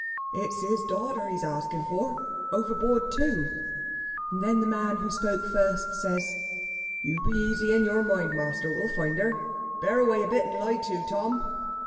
"It's his daughter he's asking for overboard, too!" and then the man who spoke first says: "You be easy in your mind, master; we'll find her. Bear away a bit, and lie to, Tom."